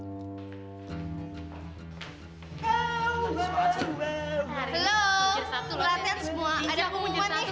halo perhatian semua ada pengumuman nih